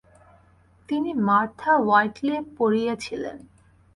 তিনি Martha Whiteley পড়িয়েছিলেন।